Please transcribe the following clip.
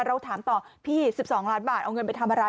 เราถามต่อพี่๑๒ล้านบาทเอาเงินไปทำอะไร